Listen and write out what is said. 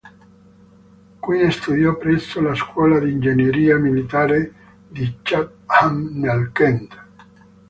Qui studiò presso la scuola di ingegneria militare di Chatham nel Kent.